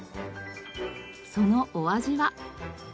そのお味は？